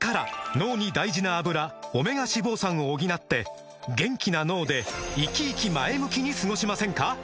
脳に大事な「アブラ」オメガ脂肪酸を補って元気な脳でイキイキ前向きに過ごしませんか？